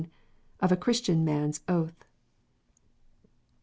Of a Christian Man s Oath.